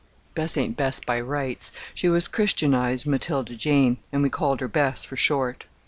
Bess ain't Bess by rights; she was christianized Matilda Jane, and we called her Bess for short.